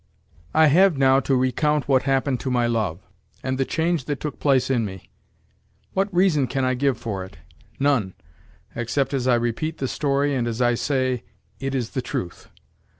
PART IV CHAPTER I I MUST now recite what happened to my love, and the change that took place in me. What reason can I give for it? None, except as I repeat the story and as I say: "It is the truth."